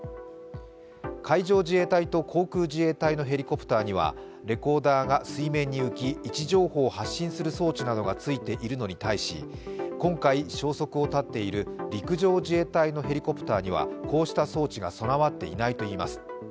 海上自衛隊と航空自衛隊のヘリコプターにはレコーダーが水面に浮き、位置情報を発信する装置などがついているのに対し、今回、消息を絶っている陸上自衛隊のヘリコプターにはこうした装置が備わっていないといいます。